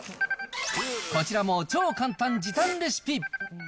こちらも超簡単時短レシピ。